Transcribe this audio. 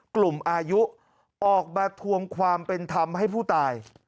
กลุ่มอายุออกมาทวงความเป็นธรรมให้ผู้ตาย